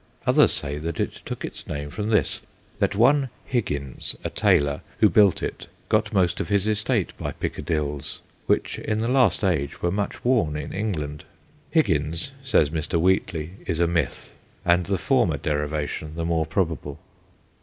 Others say that it took its name from this, that one Higgins, a tailor, who built it, got most of his estate by Pickadilles, which, in the last age, were much worn in England.' Higgins, says Mr. Wheatley, is a myth, and the former deriva tion the more probable.